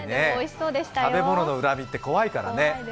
食べ物の恨みって怖いからね。